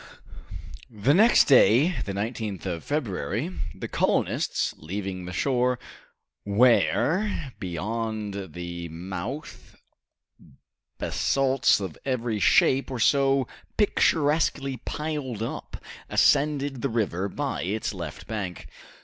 The next day, the 19th of February, the colonists, leaving the shore, where, beyond the mouth, basalts of every shape were so picturesquely piled up, ascended the river by its left bank.